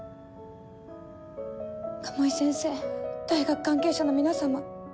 鴨居先生大学関係者の皆様